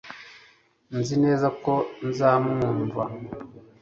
nzi neza ko nzamwumva